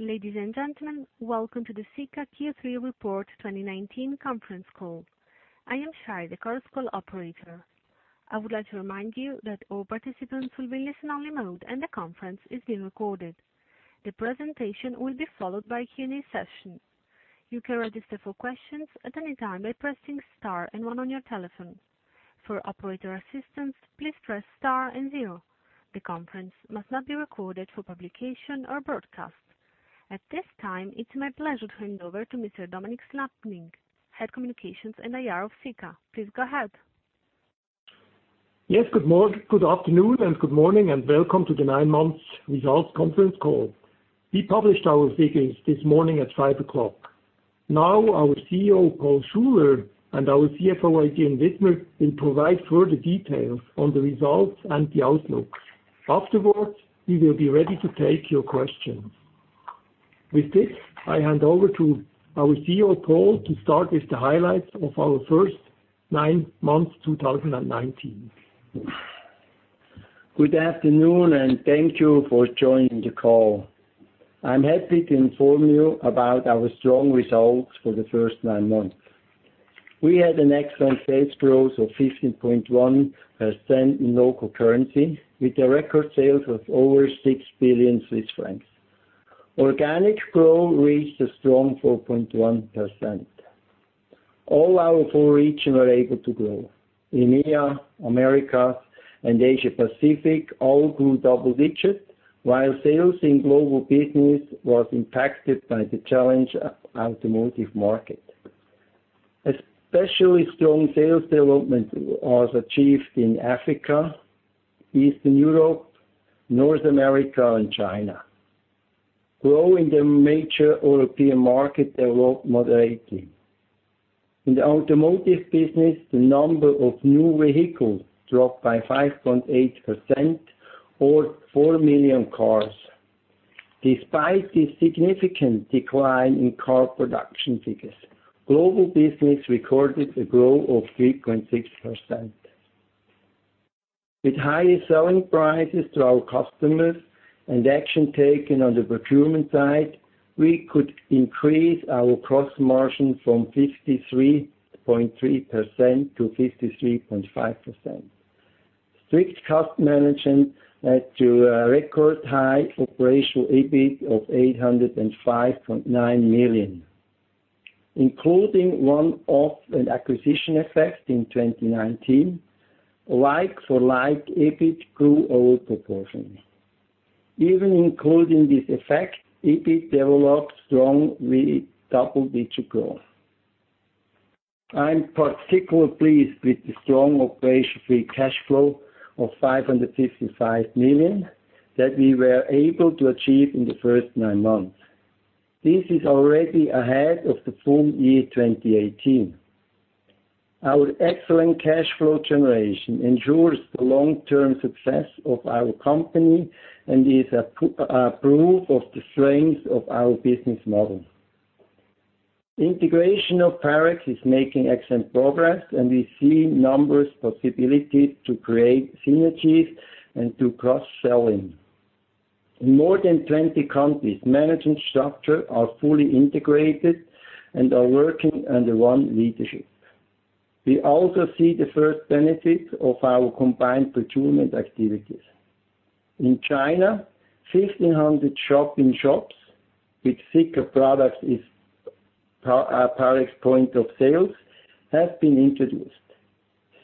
Ladies and gentlemen, welcome to the Sika Q3 Report 2019 conference call. I am Shire, the Chorus Call operator. I would like to remind you that all participants will be in listen-only mode, and the conference is being recorded. The presentation will be followed by a Q&A session. You can register for questions at any time by pressing star and one on your telephone. For operator assistance, please press star and zero. The conference must not be recorded for publication or broadcast. At this time, it's my pleasure to hand over to Mr. Dominik Slappnig, Head Communications and IR of Sika. Please go ahead. Yes, good afternoon and good morning, and welcome to the nine-month results conference call. We published our figures this morning at 5:00. Now, our CEO, Paul Schuler, and our CFO, Adrian Widmer, will provide further details on the results and the outlook. Afterwards, we will be ready to take your questions. With this, I hand over to our CEO, Paul, to start with the highlights of our first nine months, 2019. Good afternoon, and thank you for joining the call. I'm happy to inform you about our strong results for the first nine months. We had an excellent sales growth of 15.1% in local currency, with record sales of over 6 billion Swiss francs. Organic growth reached a strong 4.1%. All our four regions were able to grow. EMEA, America, and Asia Pacific all grew double digits, while sales in Global Business was impacted by the challenged automotive market. Especially strong sales development was achieved in Africa, Eastern Europe, North America, and China. Growth in the major European market developed moderately. In the automotive business, the number of new vehicles dropped by 5.8%, or 4 million cars. Despite the significant decline in car production figures, Global Business recorded a growth of 3.6%. With higher selling prices to our customers and action taken on the procurement side, we could increase our gross margin from 53.3% to 53.5%. Strict cost management led to a record-high operational EBIT of 805.9 million. Including one-off and acquisition effect in 2019, like-for-like EBIT grew out of proportion. Even including this effect, EBIT developed strong with double-digit growth. I'm particularly pleased with the strong operational free cash flow of 555 million that we were able to achieve in the first nine months. This is already ahead of the full year 2018. Our excellent cash flow generation ensures the long-term success of our company and is a proof of the strength of our business model. Integration of Parex is making excellent progress, and we see numerous possibilities to create synergies and do cross-selling. In more than 20 countries, management structures are fully integrated and are working under one leadership. We also see the first benefits of our combined procurement activities. In China, 1,500 shop-in-shops with Sika products as Parex point of sales have been introduced.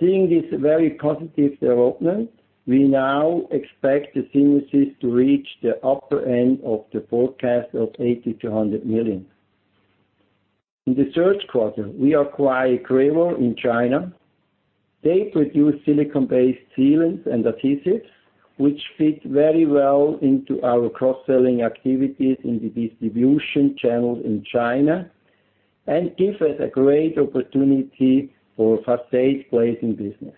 Seeing this very positive development, we now expect the synergies to reach the upper end of the forecast of 80 million-100 million. In the third quarter, we acquired Crevo in China. They produce silicone-based sealants and adhesives, which fit very well into our cross-selling activities in the distribution channels in China and give us a great opportunity for facade glazing business.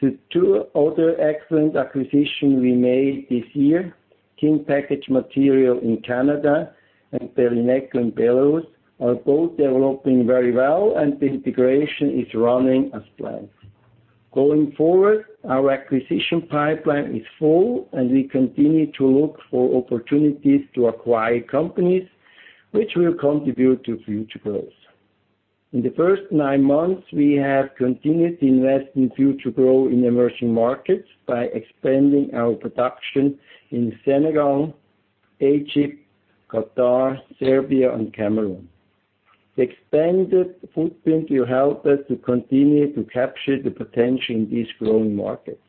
The two other excellent acquisitions we made this year, King Packaged Materials in Canada and Belineco, Belarus, are both developing very well, and the integration is running as planned. Going forward, our acquisition pipeline is full, and we continue to look for opportunities to acquire companies which will contribute to future growth. In the first nine months, we have continued to invest in future growth in emerging markets by expanding our production in Senegal, Egypt, Qatar, Serbia, and Cameroon. The expanded footprint will help us to continue to capture the potential in these growing markets.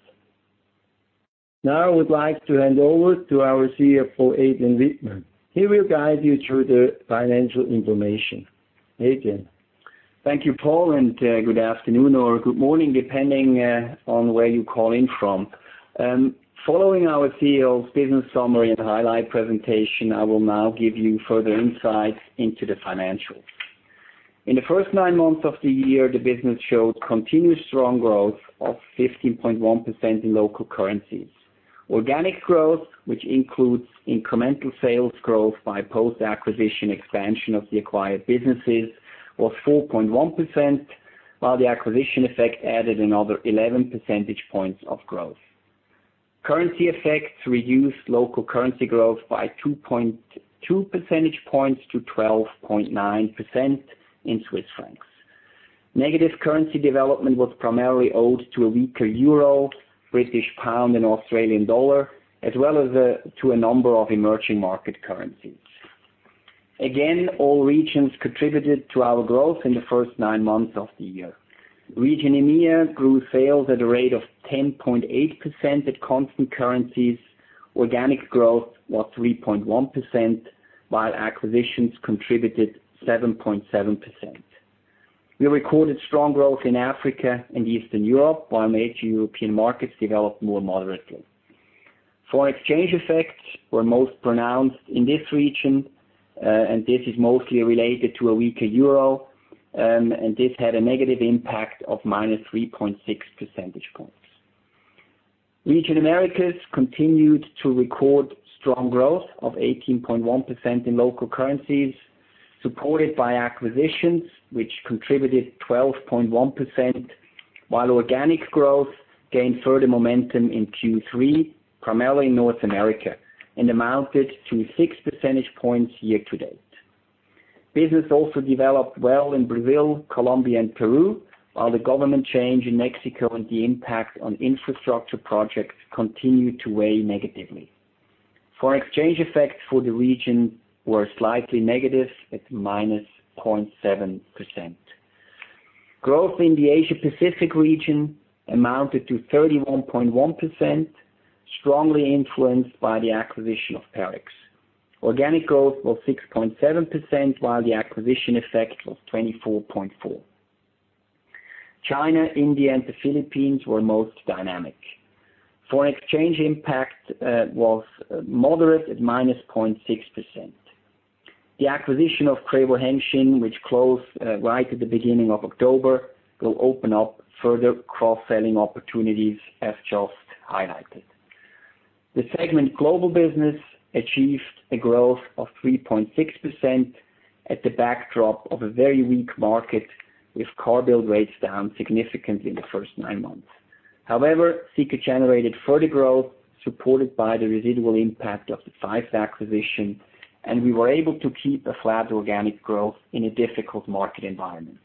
Now, I would like to hand over to our CFO, Adrian Widmer. He will guide you through the financial information. Adrian? Thank you, Paul, and good afternoon or good morning, depending on where you call in from. Following our CEO's business summary and highlight presentation, I will now give you further insight into the financials. In the first nine months of the year, the business showed continuous strong growth of 15.1% in local currencies. Organic growth, which includes incremental sales growth by post-acquisition expansion of the acquired businesses, was 4.1%. While the acquisition effect added another 11 percentage points of growth. Currency effects reduced local currency growth by 2.2 percentage points to 12.9% in CHF. Negative currency development was primarily owed to a weaker EUR, GBP, and AUD, as well as to a number of emerging market currencies. Again, all regions contributed to our growth in the first nine months of the year. Region EMEA grew sales at a rate of 10.8% at constant currencies. Organic growth was 3.1%, while acquisitions contributed 7.7%. We recorded strong growth in Africa and Eastern Europe, while major European markets developed more moderately. Foreign exchange effects were most pronounced in this region, and this is mostly related to a weaker EUR, and this had a negative impact of minus 3.6 percentage points. Region Americas continued to record strong growth of 18.1% in local currencies, supported by acquisitions which contributed 12.1%, while organic growth gained further momentum in Q3, primarily in North America, and amounted to six percentage points year to date. Business also developed well in Brazil, Colombia, and Peru, while the government change in Mexico and the impact on infrastructure projects continued to weigh negatively. Foreign exchange effects for the region were slightly negative, at minus 0.7%. Growth in the Asia Pacific region amounted to 31.1%, strongly influenced by the acquisition of Parex. Organic growth was 6.7%, while the acquisition effect was 24.4%. China, India, and the Philippines were most dynamic. Foreign exchange impact was moderate, at -0.6%. The acquisition of Crevo-Hengxin, which closed right at the beginning of October, will open up further cross-selling opportunities, as just highlighted. The segment Global Business achieved a growth of 3.6% at the backdrop of a very weak market, with car build rates down significantly in the first nine months. However, Sika generated further growth, supported by the residual impact of the Faist acquisition, and we were able to keep a flat organic growth in a difficult market environment.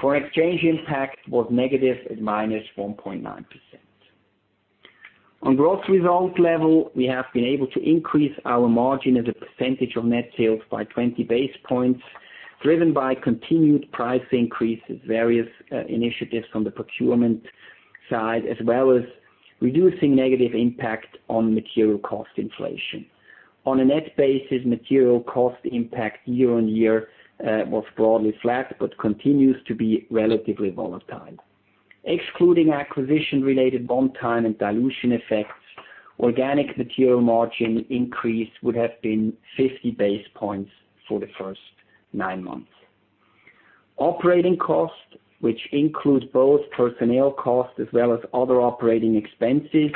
Foreign exchange impact was negative at -1.9%. On growth result level, we have been able to increase our margin as a percentage of net sales by 20 basis points, driven by continued price increases, various initiatives from the procurement side, as well as reducing negative impact on material cost inflation. On a net basis, material cost impact year-over-year was broadly flat, but continues to be relatively volatile. Excluding acquisition-related one-time and dilution effects, organic material margin increase would have been 50 basis points for the first nine months. Operating costs, which includes both personnel costs as well as other operating expenses,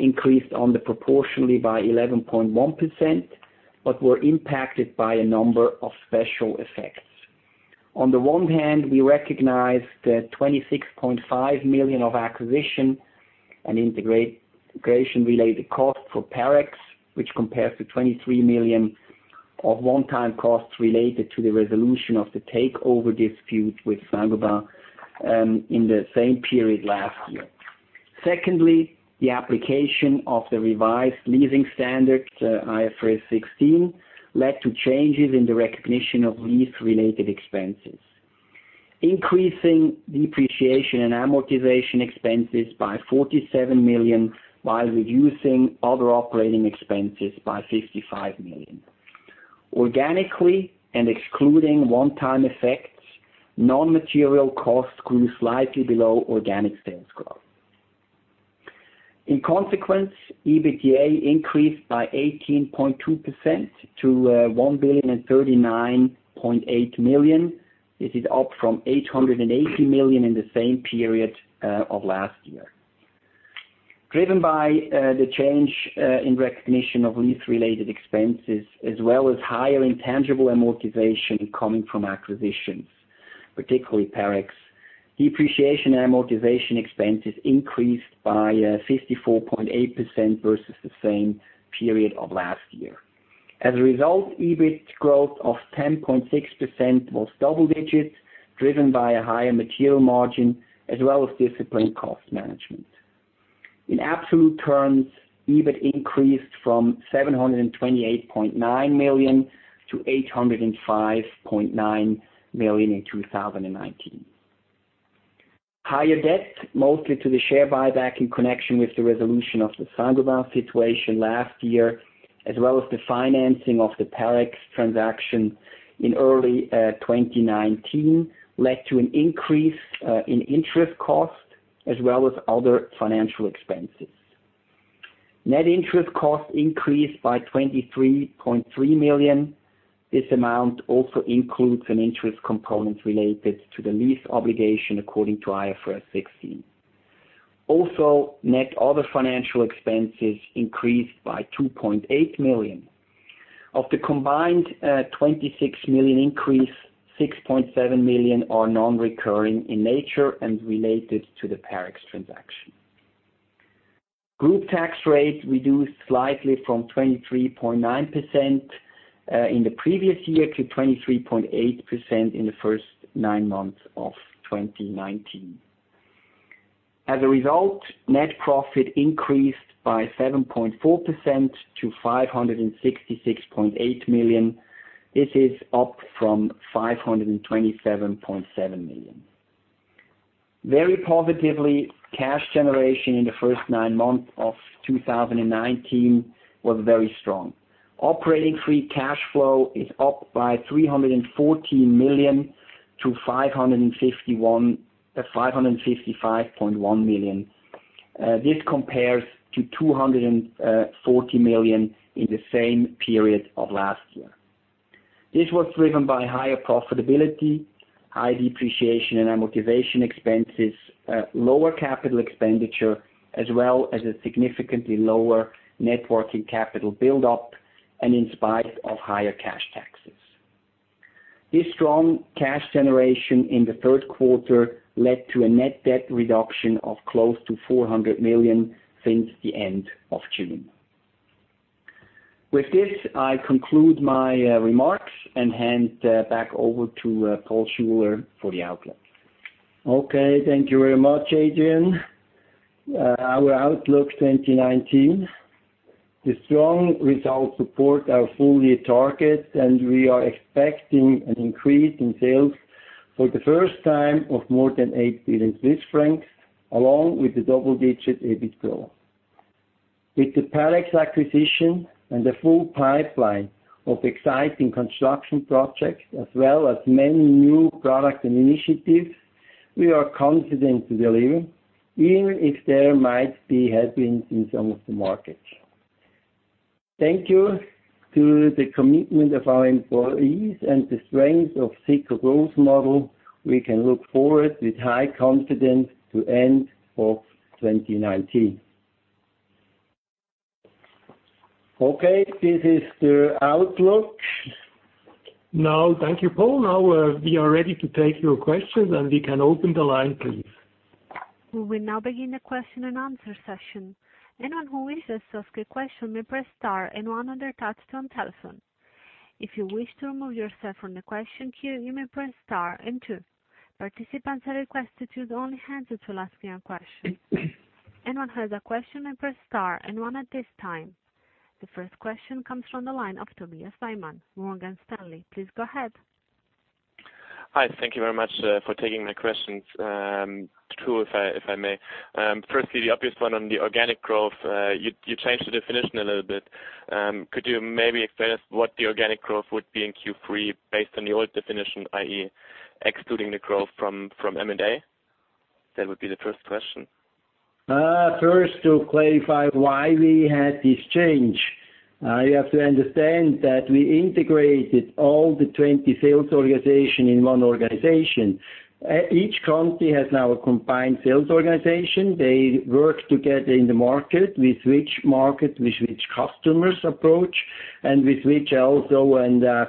increased on the proportionally by 11.1%, but were impacted by a number of special effects. On the one hand, we recognized the 26.5 million of acquisition and integration-related costs for Parex, which compares to 23 million of one-time costs related to the resolution of the takeover dispute with Saint-Gobain in the same period last year. Secondly, the application of the revised leasing standard, IFRS 16, led to changes in the recognition of lease-related expenses, increasing depreciation and amortization expenses by 47 million, while reducing other operating expenses by 55 million. Organically and excluding one-time effects, non-material costs grew slightly below organic sales growth. In consequence, EBITDA increased by 18.2% to 1,039.8 million. This is up from 880 million in the same period of last year. Driven by the change in recognition of lease-related expenses as well as higher intangible amortization coming from acquisitions, particularly Parex, depreciation and amortization expenses increased by 54.8% versus the same period of last year. As a result, EBIT growth of 10.6% was double digits, driven by a higher material margin as well as disciplined cost management. In absolute terms, EBIT increased from 728.9 million to 805.9 million in 2019. Higher debt, mostly to the share buyback in connection with the resolution of the Saint-Gobain situation last year, as well as the financing of the Parex transaction in early 2019, led to an increase in interest costs as well as other financial expenses. Net interest costs increased by 23.3 million. This amount also includes an interest component related to the lease obligation, according to IFRS 16. Net other financial expenses increased by 2.8 million. Of the combined 26 million increase, 6.7 million are non-recurring in nature and related to the Parex transaction. Group tax rate reduced slightly from 23.9% in the previous year to 23.8% in the first nine months of 2019. As a result, net profit increased by 7.4% to 566.8 million. This is up from 527.7 million. Very positively, cash generation in the first nine months of 2019 was very strong. Operating free cash flow is up by 314 million to 555.1 million. This compares to 240 million in the same period of last year. This was driven by higher profitability, high depreciation and amortization expenses, lower capital expenditure, as well as a significantly lower net working capital buildup, and in spite of higher cash taxes. This strong cash generation in the third quarter led to a net debt reduction of close to 400 million since the end of June. With this, I conclude my remarks and hand back over to Paul Schuler for the outlook. Okay, thank you very much, Adrian. Our outlook 2019. The strong results support our full-year targets, and we are expecting an increase in sales for the first time of more than 8 billion Swiss francs, along with the double-digit EBIT growth. With the Parex acquisition and the full pipeline of exciting construction projects, as well as many new products and initiatives, we are confident to deliver, even if there might be headwinds in some of the markets. Thank you to the commitment of our employees and the strength of Sika growth model, we can look forward with high confidence to end of 2019. Okay, this is the outlook. Now, thank you, Paul. We are ready to take your questions, and we can open the line, please. We will now begin the question and answer session. Anyone who wishes to ask a question may press star and one on their touch-tone telephone. If you wish to remove yourself from the question queue, you may press star and two. Participants are requested to only handle to asking a question. Anyone who has a question may press star and one at this time. The first question comes from the line of Tobias Simon, Morgan Stanley. Please go ahead. Hi. Thank you very much for taking my questions. Two, if I may. Firstly, the obvious one on the organic growth. You changed the definition a little bit. Could you maybe explain us what the organic growth would be in Q3 based on the old definition, i.e. excluding the growth from M&A? That would be the first question. First, to clarify why we had this change. You have to understand that we integrated all the 20 sales organization in one organization. Each country has now a combined sales organization. They work together in the market, with which market, with which customers approach, and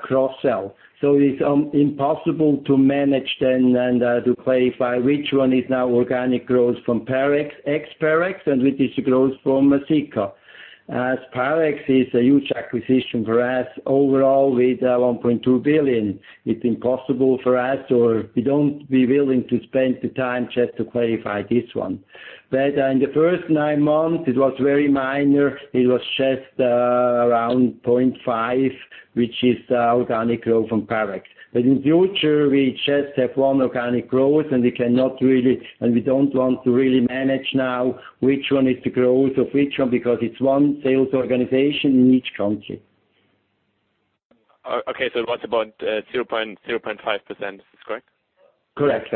cross-sell. It's impossible to manage then and to clarify which one is now organic growth from ex Parex and which is growth from Sika. As Parex is a huge acquisition for us overall with 1.2 billion, it's impossible for us, or we don't willing to spend the time just to clarify this one. In the first nine months, it was very minor. It was just around 0.5%, which is organic growth from Parex. In the future, we just have one organic growth, we don't want to really manage now which one is the growth of which one, because it's one sales organization in each country. Okay, it was about 0.5%, is this correct? Correct.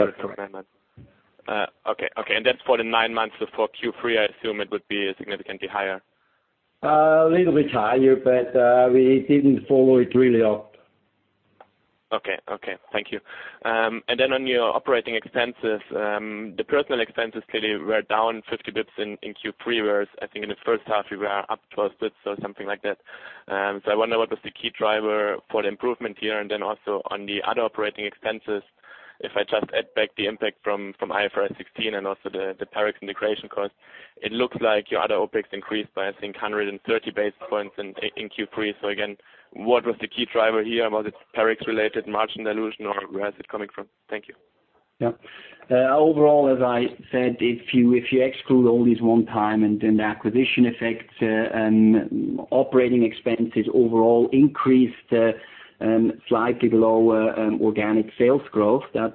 Okay. That's for the nine months. For Q3, I assume it would be significantly higher. A little bit higher, but we didn't follow it really up. Okay. Thank you. On your operating expenses, the personal expenses clearly were down 50 basis points in Q3, whereas I think in the first half you were up 12 basis points or something like that. I wonder what was the key driver for the improvement here, also on the other operating expenses, if I just add back the impact from IFRS 16 and also the Parex integration cost, it looks like your other OpEx increased by, I think, 130 basis points in Q3. Again, what was the key driver here? Was it Parex-related margin dilution, or where is it coming from? Thank you. Overall, as I said, if you exclude all these one-time and the acquisition effects, operating expenses overall increased slightly below organic sales growth. That's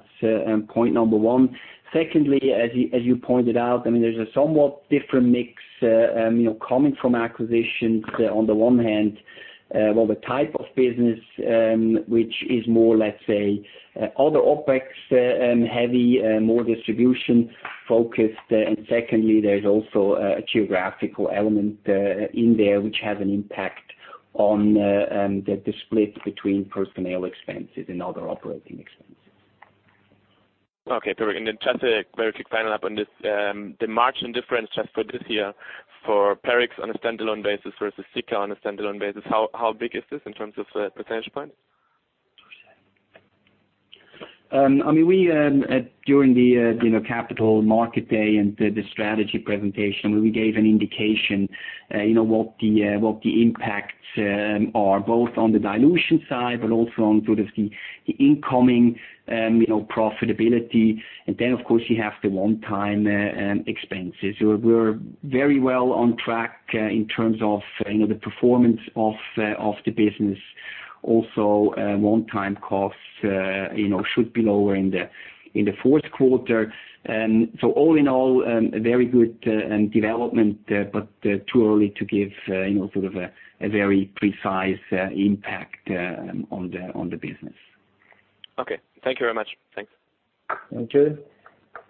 point number 1. Secondly, as you pointed out, there's a somewhat different mix coming from acquisitions on the one hand, the type of business which is more, let's say, other OpEx-heavy, more distribution-focused. Secondly, there's also a geographical element in there which has an impact on the split between personnel expenses and other operating expenses. Okay, perfect. Just a very quick final up on this, the margin difference just for this year for Parex on a standalone basis versus Sika on a standalone basis. How big is this in terms of percentage points? During the Capital Markets Day and the strategy presentation, we gave an indication what the impacts are, both on the dilution side, but also on sort of the incoming profitability. Then, of course, you have the one-time expenses. We're very well on track in terms of the performance of the business. Also, one-time costs should be lower in the fourth quarter. All in all, a very good development, but too early to give sort of a very precise impact on the business. Okay. Thank you very much. Thanks. Thank you.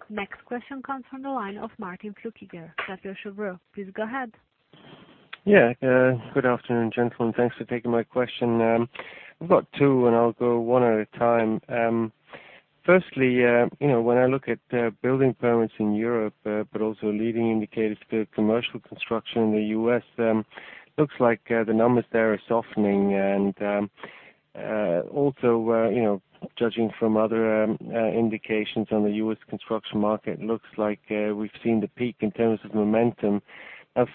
Next question comes from the line of Martin Flueckiger, Credit Suisse. Please go ahead. Yeah. Good afternoon, gentlemen. Thanks for taking my question. I've got two, and I'll go one at a time. Firstly, when I look at building permits in Europe, but also leading indicators for commercial construction in the U.S., looks like the numbers there are softening. Also, judging from other indications on the U.S. construction market, looks like we've seen the peak in terms of momentum.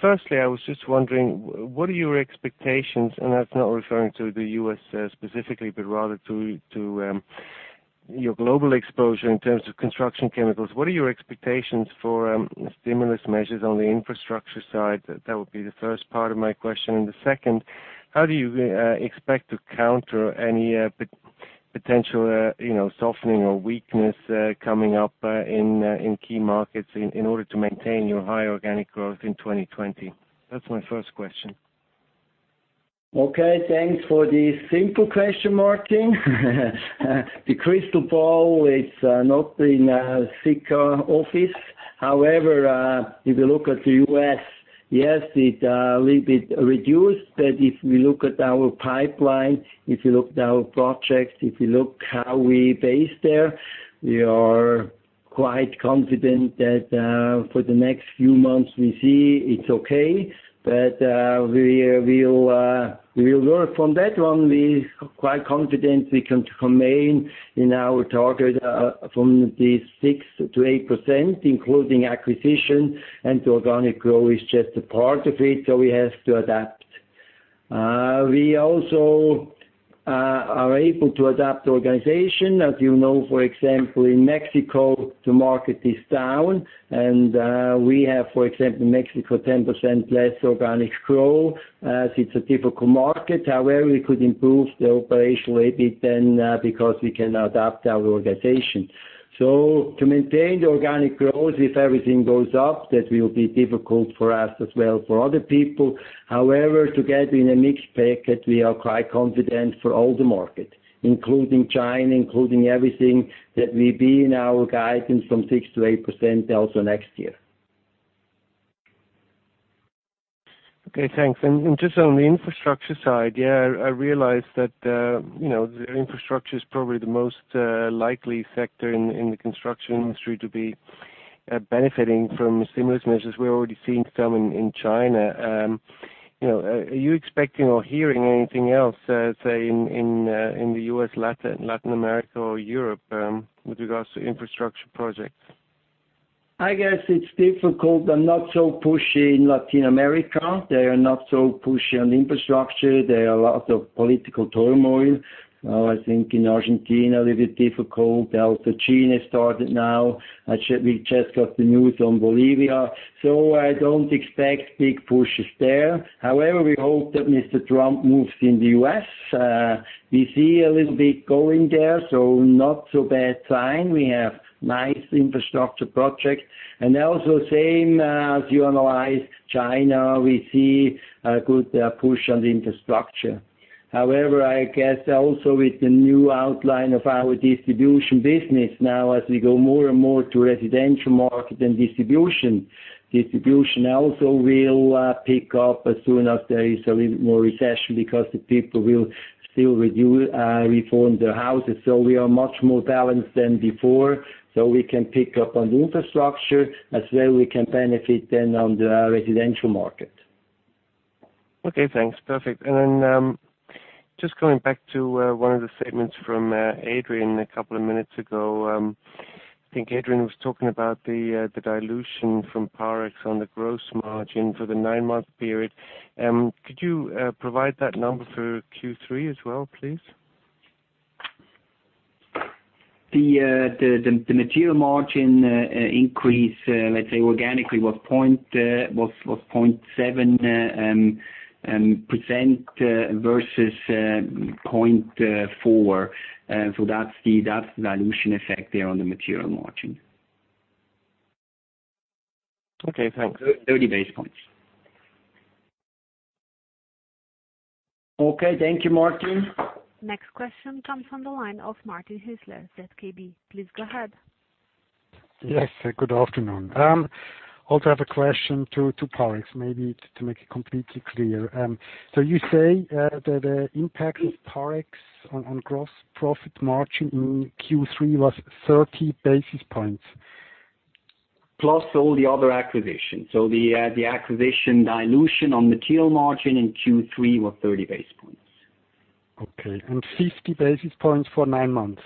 Firstly, I was just wondering, what are your expectations, and that's not referring to the U.S. specifically, but rather to your global exposure in terms of construction chemicals. What are your expectations for stimulus measures on the infrastructure side? That would be the first part of my question. The second, how do you expect to counter any potential softening or weakness coming up in key markets in order to maintain your high organic growth in 2020? That's my first question. Okay, thanks for the simple question, Martin. The crystal ball is not in Sika office. If you look at the U.S., yes, it a little bit reduced. If we look at our pipeline, if you look at our projects, if you look how we base there, we are quite confident that for the next few months, we see it's okay. We will work from that one. We quite confident we can remain in our target from the 6%-8%, including acquisition, and the organic growth is just a part of it, so we have to adapt. We also are able to adapt the organization. As you know, for example, in Mexico, the market is down, and we have, for example, in Mexico, 10% less organic growth, as it's a difficult market. We could improve the operational a bit then because we can adapt our organization. To maintain the organic growth, if everything goes up, that will be difficult for us as well for other people. However, together in a mixed packet, we are quite confident for all the markets, including China, including everything, that we be in our guidance from 6% to 8% also next year. Okay, thanks. Just on the infrastructure side, yeah, I realize that the infrastructure is probably the most likely factor in the construction industry to be benefiting from stimulus measures. We're already seeing some in China. Are you expecting or hearing anything else, say, in the U.S., Latin America, or Europe, with regards to infrastructure projects? I guess it's difficult and not so pushy in Latin America. They are not so pushy on infrastructure. There are a lot of political turmoil. I think in Argentina, a little bit difficult. Also Chile started now. We just got the news on Bolivia. I don't expect big pushes there. However, we hope that Mr. Trump moves in the U.S. We see a little bit going there, not so bad sign. We have nice infrastructure projects. Also same as you analyze China, we see a good push on the infrastructure. However, I guess also with the new outline of our distribution business now as we go more and more to residential market and distribution. Distribution also will pick up as soon as there is a little more recession because the people will still reform their houses. We are much more balanced than before, so we can pick up on the infrastructure. As well, we can benefit then on the residential market. Okay, thanks. Perfect. Just going back to one of the statements from Adrian a couple of minutes ago. I think Adrian was talking about the dilution from Parex on the gross margin for the nine-month period. Could you provide that number for Q3 as well, please? The material margin increase, let's say organically, was 0.7% versus 0.4%. That's the dilution effect there on the material margin. Okay, thanks. 30 basis points. Okay. Thank you, Martin. Next question comes from the line of Martin Hessler, [ZKB]. Please go ahead. Yes. Good afternoon. Also have a question to Parex, maybe to make it completely clear. You say that the impact of Parex on gross profit margin in Q3 was 30 basis points. Plus all the other acquisitions. The acquisition dilution on material margin in Q3 was 30 basis points. Okay. 50 basis points for nine months?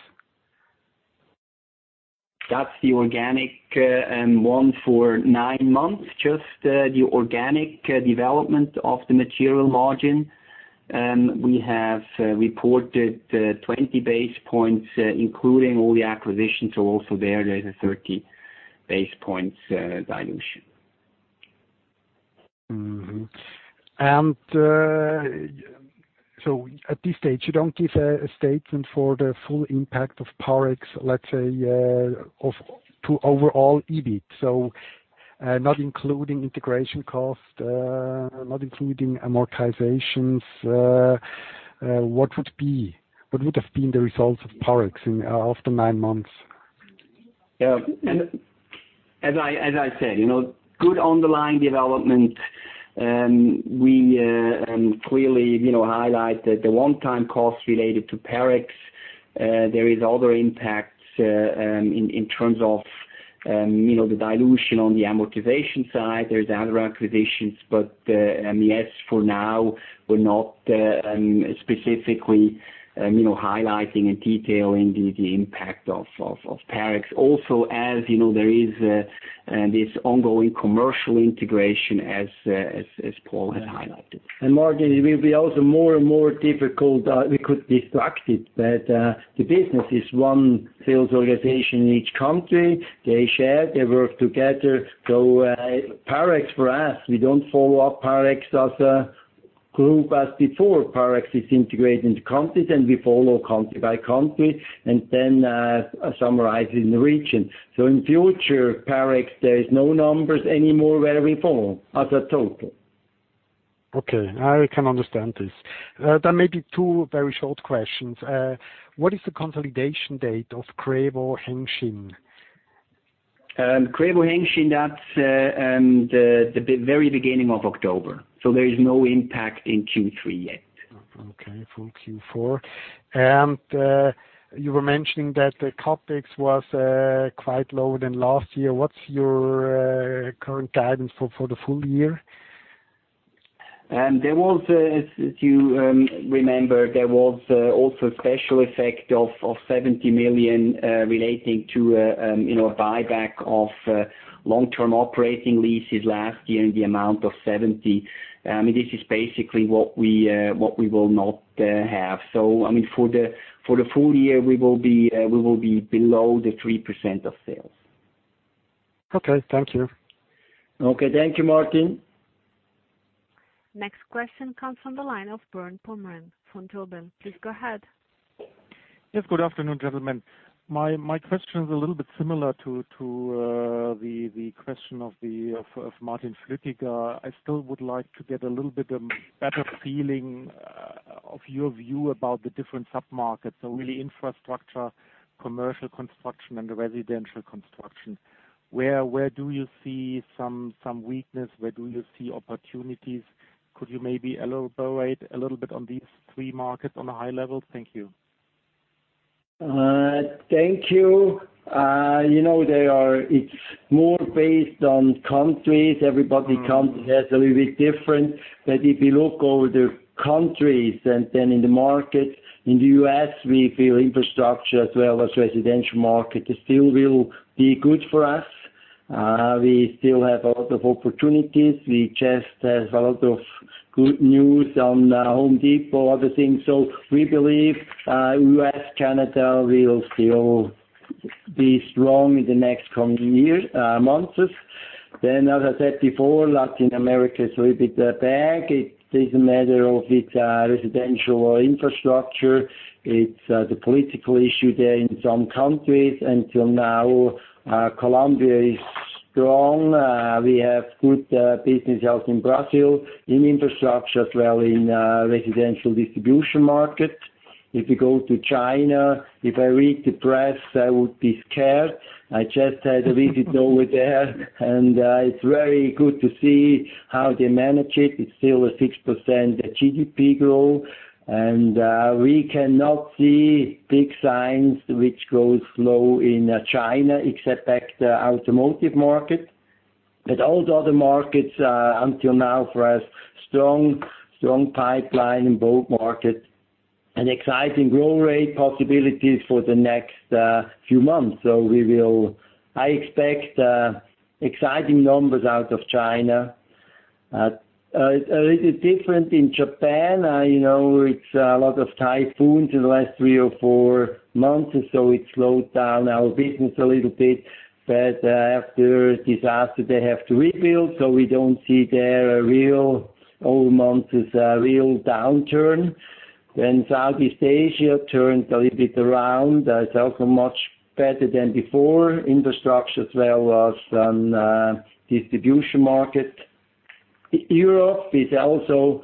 That's the organic one for nine months, just the organic development of the material margin. We have reported 20 basis points including all the acquisitions. Also there's a 30 basis points dilution. Mm-hmm. At this stage, you don't give a statement for the full impact of Parex, let's say, to overall EBIT. Not including integration cost, not including amortizations. What would have been the results of Parex after nine months? As I said, good underlying development. We clearly highlight that the one-time costs related to Parex, there is other impacts in terms of the dilution on the amortization side. There's other acquisitions, but, yes, for now, we're not specifically highlighting in detail the impact of Parex. As you know, there is this ongoing commercial integration as Paul has highlighted. Martin, it will be also more and more difficult. We could distract it, the business is one sales organization in each country. They share, they work together. Parex for us, we don't follow up Parex as a group as before. Parex is integrated into countries, we follow country by country and summarize it in the region. In future, Parex, there is no numbers anymore where we follow as a total. Okay. I can understand this. There may be two very short questions. What is the consolidation date of Crevo-Hengxin? Crevo-Hengxin, that's the very beginning of October. There is no impact in Q3 yet. Okay. Full Q4. You were mentioning that the CapEx was quite lower than last year. What's your current guidance for the full year? If you remember, there was also a special effect of 70 million, relating to a buyback of long-term operating leases last year in the amount of 70. I mean, this is basically what we will not have. For the full year, we will be below the 3% of sales. Okay. Thank you. Okay. Thank you, Martin. Next question comes from the line of Bernd Pomrehn, Vontobel. Please go ahead. Yes. Good afternoon, gentlemen. My question is a little bit similar to the question of Martin Flueckiger. I still would like to get a little bit of better feeling of your view about the different sub-markets. Really infrastructure, commercial construction, and residential construction. Where do you see some weakness? Where do you see opportunities? Could you maybe elaborate a little bit on these three markets on a high level? Thank you. Thank you. It's more based on countries. Every country has a little bit different. If you look over the countries and then in the market, in the U.S., we feel infrastructure as well as residential market still will be good for us. We still have a lot of opportunities. We just have a lot of good news on The Home Depot, other things. We believe U.S., Canada will still be strong in the next coming months. As I said before, Latin America is a little bit back. It is a matter of its residential infrastructure. It's the political issue there in some countries. Until now, Colombia is strong. We have good business out in Brazil, in infrastructure as well in residential distribution market. If you go to China, if I read the press, I would be scared. I just had a visit over there and it's very good to see how they manage it. It's still a 6% GDP growth. We cannot see big signs which grows slow in China except back the automotive market. All the other markets until now for us, strong pipeline in both markets and exciting growth rate possibilities for the next few months. I expect exciting numbers out of China. A little different in Japan. It's a lot of typhoons in the last three or four months, it slowed down our business a little bit. After disaster, they have to rebuild, so we don't see there a real, all months, a real downturn. Southeast Asia turned a little bit around. It's also much better than before, infrastructure as well as distribution market. Europe is also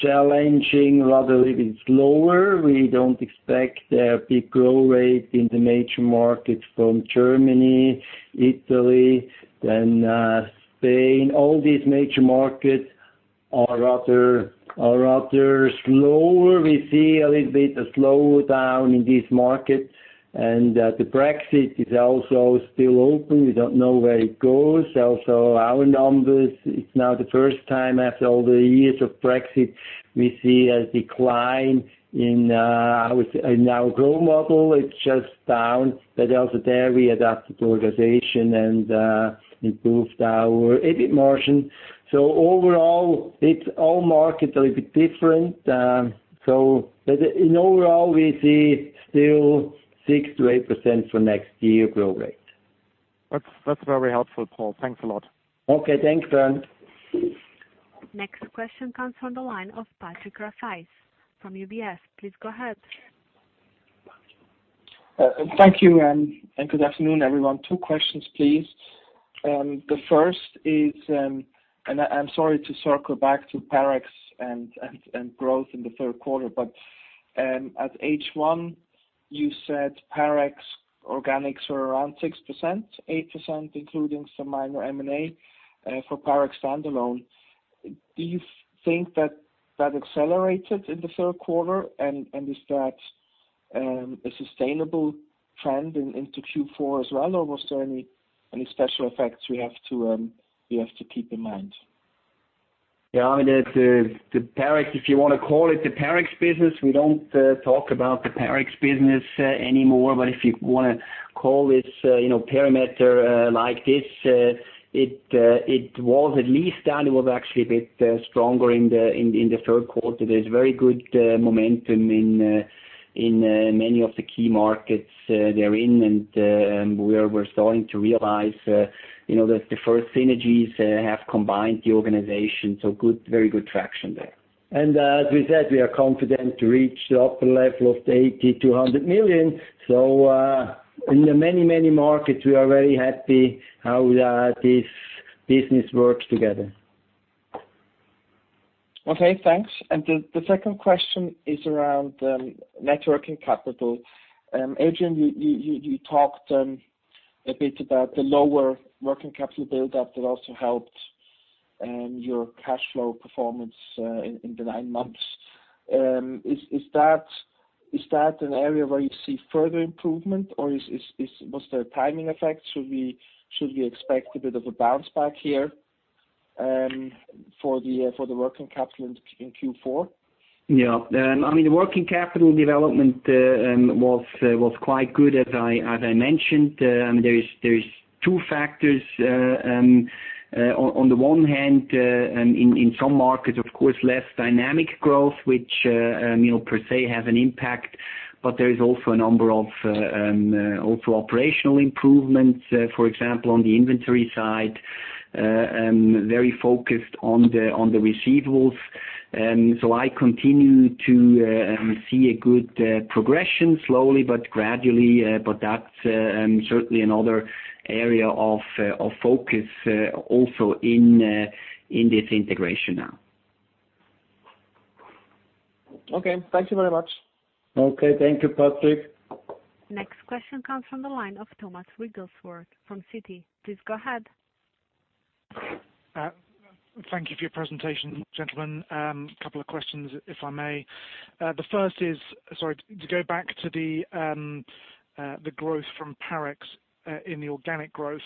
challenging, rather a little bit slower. We don't expect a big growth rate in the major markets from Germany, Italy, Spain. All these major markets are rather slower. We see a little bit of slowdown in these markets. The Brexit is also still open. We don't know where it goes. Our numbers, it's now the first time after all the years of Brexit, we see a decline in our growth model. It's just down. Also there, we adapted the organization and improved our EBIT margin. Overall, it's all markets a little bit different. In overall, we see still 6%-8% for next year growth rate. That's very helpful, Paul. Thanks a lot. Okay, thanks, Bernd. Next question comes from the line of Patrick Rafaisz from UBS. Please go ahead. Thank you. Good afternoon, everyone. Two questions, please. The first is, I'm sorry to circle back to Parex and growth in the third quarter. At H1, you said Parex organics were around 6%, 8%, including some minor M&A for Parex standalone. Do you think that accelerated in the third quarter? Is that a sustainable trend into Q4 as well, or was there any special effects we have to keep in mind? Yeah. If you want to call it the Parex business, we don't talk about the Parex business anymore. If you want to call it parameter like this, it was at least down. It was actually a bit stronger in the third quarter. There's very good momentum in many of the key markets they're in, and we're starting to realize that the first synergies have combined the organization. Very good traction there. As we said, we are confident to reach the upper level of 80 million-100 million. In the many, many markets, we are very happy how this business works together. Okay, thanks. The second question is around net working capital. Adrian, you talked a bit about the lower working capital buildup that also helped your cash flow performance in the nine months. Is that an area where you see further improvement or was there a timing effect? Should we expect a bit of a bounce back here for the working capital in Q4? Yeah. The working capital development was quite good, as I mentioned. There is two factors. On the one hand, in some markets, of course, less dynamic growth, which per se has an impact, but there is also a number of also operational improvements. For example, on the inventory side, very focused on the receivables. I continue to see a good progression, slowly but gradually, but that's certainly another area of focus also in this integration now. Okay. Thank you very much. Okay. Thank you, Patrick. Next question comes from the line of Thomas Wigglesworth from Citi. Please go ahead. Thank you for your presentation, gentlemen. Couple of questions, if I may. The first is, sorry, to go back to the growth from Parex in the organic growth.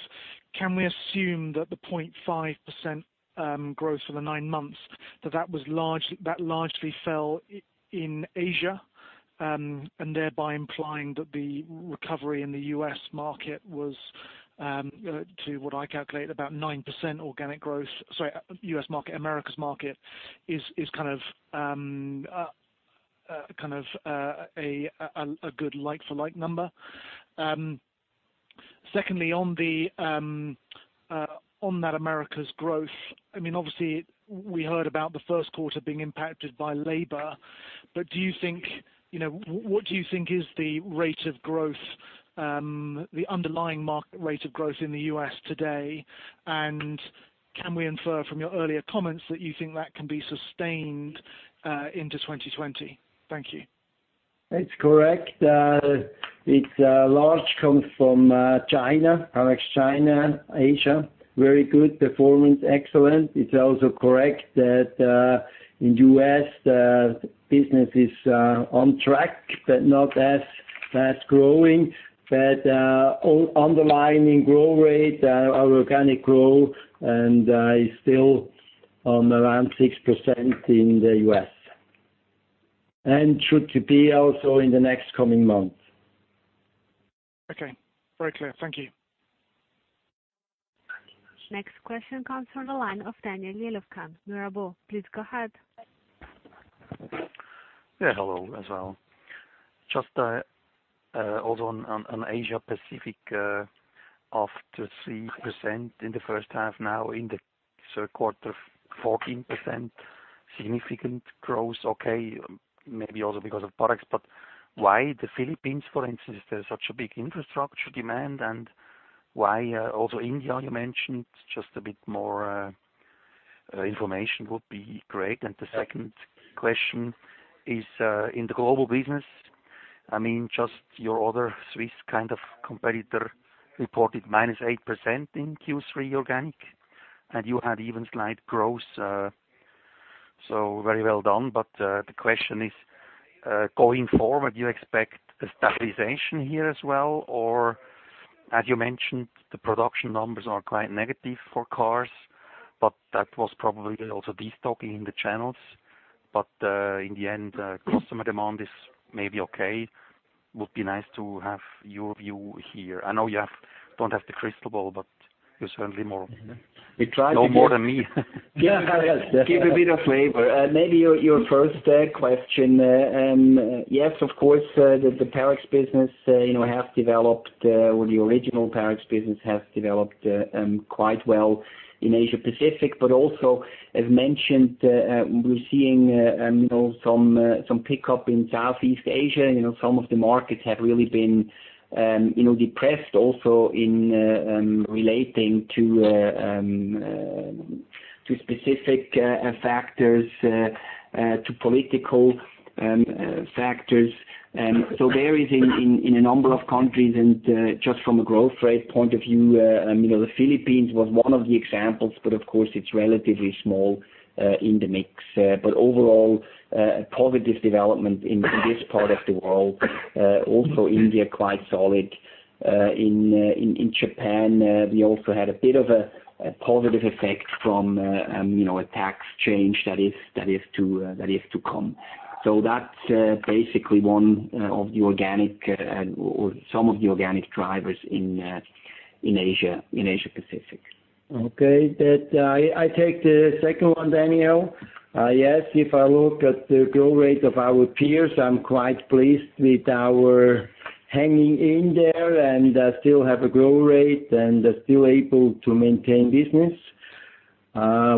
Can we assume that the 0.5% growth for the nine months, that largely fell in Asia? Thereby implying that the recovery in the U.S. market was to what I calculate about 9% organic growth, sorry, U.S. market, Americas market, is a good like for like number. Secondly, on that Americas growth, obviously we heard about the first quarter being impacted by labor, but what do you think is the rate of growth, the underlying market rate of growth in the U.S. today, and can we infer from your earlier comments that you think that can be sustained into 2020? Thank you. It's correct. It's large comes from China, Parex China, Asia. Very good performance. Excellent. It's also correct that in U.S., the business is on track, but not as fast-growing. Underlying growth rate, our organic growth, and is still on around 6% in the U.S., and should be also in the next coming months. Okay. Very clear. Thank you. Next question comes from the line of Daniel Jelovcan, Mirabaud. Please go ahead. Yeah, hello as well. Just also on Asia Pacific, after 3% in the first half, now in the third quarter, 14%. Significant growth. Okay. Maybe also because of products, why the Philippines, for instance, there's such a big infrastructure demand, and why also India you mentioned? Just a bit more information would be great. The second question is, in the Global Business, just your other Swiss kind of competitor reported minus 8% in Q3 organic, and you had even slight growth. Very well done. The question is, going forward, do you expect a stabilization here as well? As you mentioned, the production numbers are quite negative for cars, but that was probably also de-stocking the channels. In the end, customer demand is maybe okay. Would be nice to have your view here. I know you don't have the crystal ball, but you're certainly more- We try to give- Know more than me. Give a bit of flavor. Maybe your first question. Yes, of course, the Parex business has developed, or the original Parex business has developed quite well in Asia-Pacific. Also, as mentioned, we're seeing some pick up in Southeast Asia. Some of the markets have really been depressed also in relating to specific factors, to political factors. There is in a number of countries, and just from a growth rate point of view, the Philippines was one of the examples. Of course, it's relatively small in the mix. Overall, a positive development in this part of the world. Also India, quite solid. In Japan, we also had a bit of a positive effect from a tax change that is to come. That's basically one of the organic, or some of the organic drivers in Asia-Pacific. Okay. I take the second one, Daniel. Yes. If I look at the growth rate of our peers, I'm quite pleased with our hanging in there and still have a growth rate and are still able to maintain business.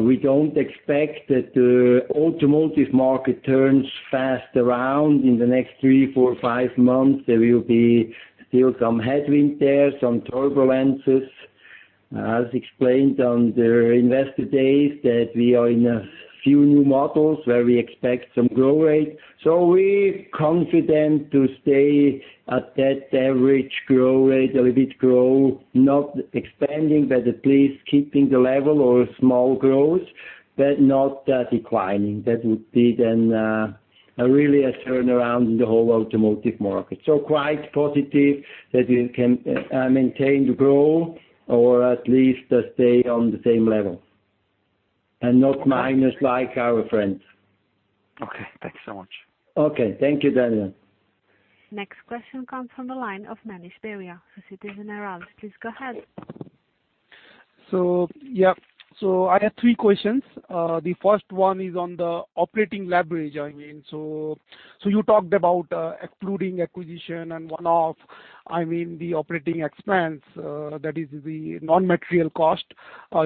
We don't expect that the automotive market turns fast around in the next three, four, five months. There will be still some headwind there, some turbulences. As explained on the Investor Day that we are in a few new models where we expect some growth rate. We're confident to stay at that average growth rate, a little bit grow, not expanding, but at least keeping the level or small growth, but not declining. That would be then really a turnaround in the whole automotive market. Quite positive that we can maintain the growth or at least stay on the same level, and not minus like our friends. Okay. Thank you so much. Okay. Thank you, Daniel. Next question comes from the line of [Manish Devia], [Citizen Era]. Please go ahead. Yeah. I have three questions. The first one is on the operating leverage. You talked about excluding acquisition and one-off, the operating expense, that is the non-material cost,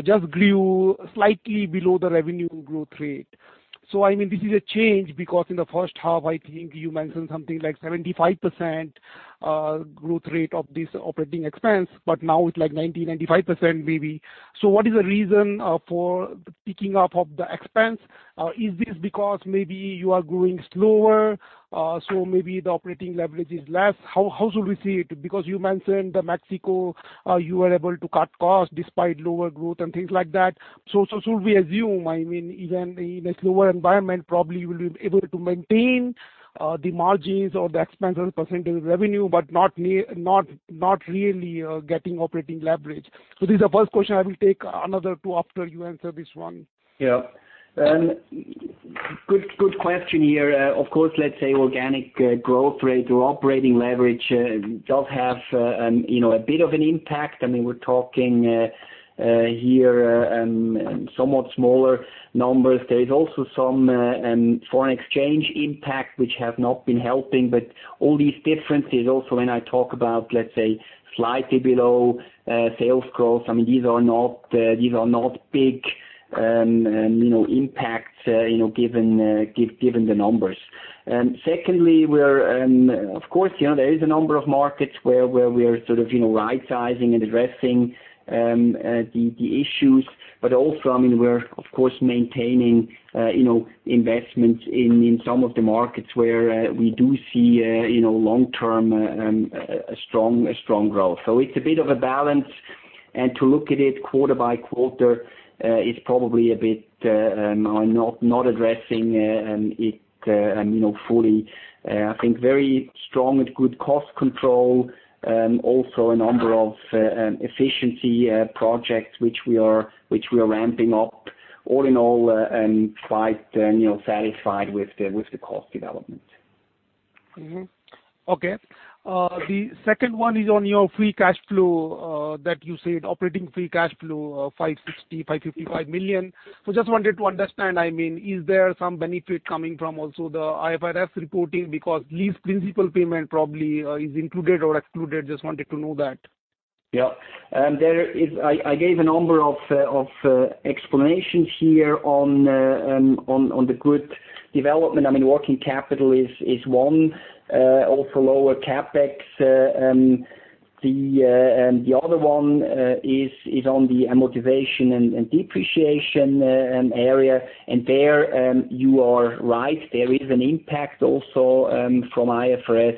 just grew slightly below the revenue growth rate. This is a change because in the first half, I think you mentioned something like 75% growth rate of this operating expense, but now it's like 90%-95%, maybe. What is the reason for the picking up of the expense? Is this because maybe you are growing slower? Maybe the operating leverage is less. How should we see it? You mentioned the Mexico, you were able to cut costs despite lower growth and things like that. Should we assume, even in a slower environment, probably you will be able to maintain the margins or the expense as a percentage of revenue, but not really getting operating leverage. This is the first question. I will take another two after you answer this one. Good question here. Of course, let's say organic growth rate or operating leverage does have a bit of an impact. We're talking here somewhat smaller numbers. There is also some foreign exchange impact, which has not been helping. All these differences also when I talk about, let's say, slightly below sales growth, these are not big impacts given the numbers. Secondly, of course, there is a number of markets where we are sort of right-sizing and addressing the issues. Also, we're, of course, maintaining investments in some of the markets where we do see long-term strong growth. It's a bit of a balance, and to look at it quarter by quarter is probably a bit not addressing it fully. I think very strong and good cost control. Also a number of efficiency projects which we are ramping up. All in all, quite satisfied with the cost development. Okay. The second one is on your free cash flow, that you said operating free cash flow, 560 million, 555 million. Just wanted to understand, is there some benefit coming from also the IFRS reporting because lease principal payment probably is included or excluded? Just wanted to know that. Yeah. I gave a number of explanations here on the good development. Working capital is one, also lower CapEx. The other one is on the amortization and depreciation area, and there you are right. There is an impact also from IFRS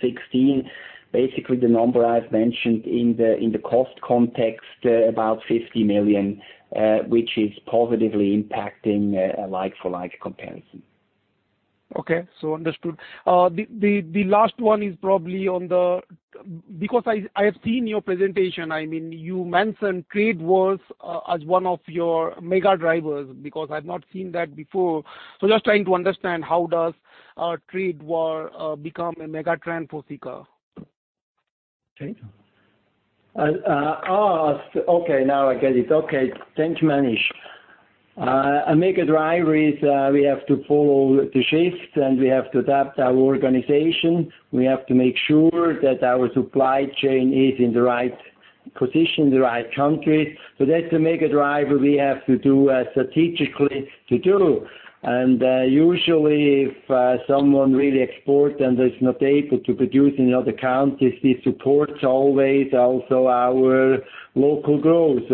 16. Basically, the number I've mentioned in the cost context, about 50 million, which is positively impacting a like-for-like comparison. Okay. Understood. The last one is probably. I have seen your presentation, you mentioned trade wars as one of your mega drivers, because I've not seen that before. Just trying to understand how does a trade war become a mega trend for Sika? Okay. Now I get it. Okay. Thanks, Manish. A mega driver is we have to follow the shift, and we have to adapt our organization. We have to make sure that our supply chain is in the right position, the right country. That's the mega driver we have to do strategically. Usually, if someone really exports and is not able to produce in other countries, this supports always also our local growth.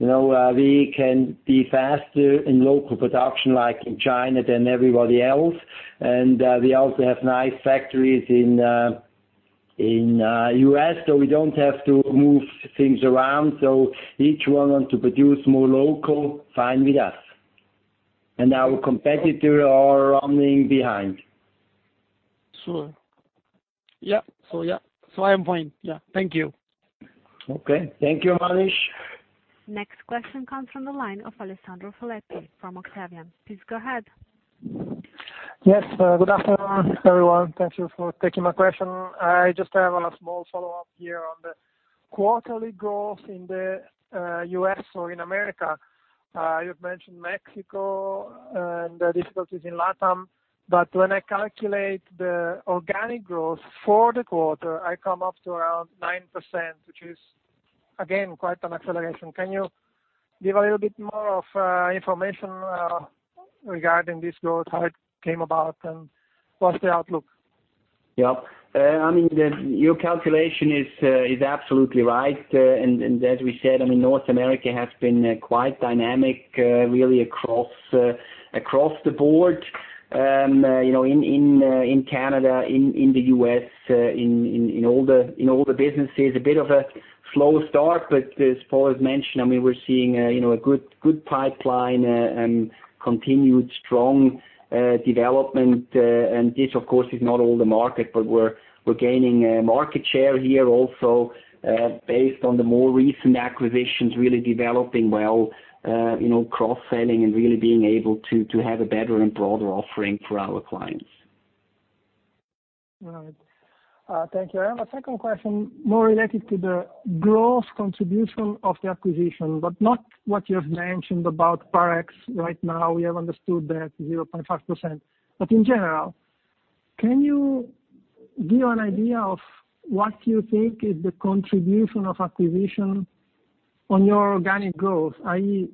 We can be faster in local production, like in China, than everybody else. We also have nice factories in U.S., so we don't have to move things around. Each one wants to produce more local, fine with us. Our competitor are running behind. Sure. Yeah. I am fine. Yeah. Thank you. Okay. Thank you, Manish. Next question comes from the line of Alessandro Foletti from Octavian. Please go ahead. Yes. Good afternoon, everyone. Thank Thank you for taking my question. I just have a small follow-up here on the quarterly growth in the U.S. or in America. You've mentioned Mexico and the difficulties in LATAM, when I calculate the organic growth for the quarter, I come up to around 9%, which is, again, quite an acceleration. Can you give a little bit more of information regarding this growth, how it came about, and what's the outlook? Yeah. Your calculation is absolutely right, and as we said, North America has been quite dynamic really across the board. In Canada, in the U.S., in all the businesses, a bit of a slow start, but as far as mentioned, we're seeing a good pipeline and continued strong development. This, of course, is not all the market, but we're gaining market share here also based on the more recent acquisitions really developing well, cross-selling and really being able to have a better and broader offering for our clients. All right. Thank you. I have a second question more related to the growth contribution of the acquisition, but not what you've mentioned about Parex right now. We have understood that 0.5%. In general, can you give an idea of what you think is the contribution of acquisition on your organic growth, i.e.,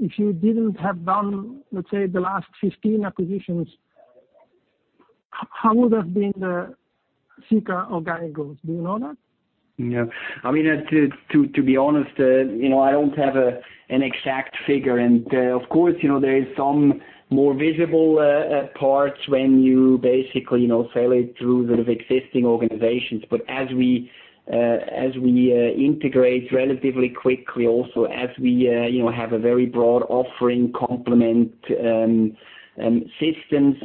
if you didn't have done, let's say, the last 15 acquisitions, how would have been the Sika organic growth? Do you know that? Yeah. To be honest, I don't have an exact figure. Of course, there is some more visible parts when you basically sell it through the existing organizations. As we integrate relatively quickly also, as we have a very broad offering complement systems